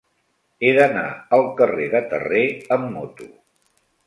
He d'anar al carrer de Terré amb moto.